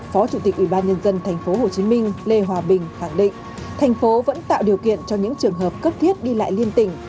phó chủ tịch ubnd tp hcm lê hòa bình khẳng định thành phố vẫn tạo điều kiện cho những trường hợp cấp thiết đi lại liên tỉnh